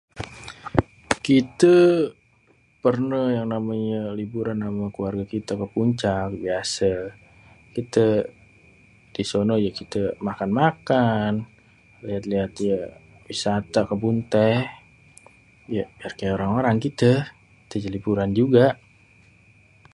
Kite perneh yang namanye liburan ame keluarge kite ke Puncak biase kite disono ye kite makan-makan, ya liat-liat wisata ke kebun teh yek biar kaye orang-orang kite jadi liburan juga.